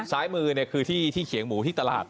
ซ้ายมือคือที่เขียงหมูที่ตลาด